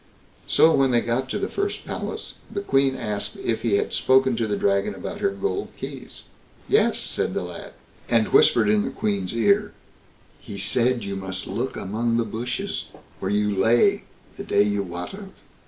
So, when they got to the first palace, the Queen asked if he had spoken to the Dragon about her gold keys? "Yes", said the lad, and whispered in the Queen's ear, "he said you must look among the bushes where you lay the day you wot of."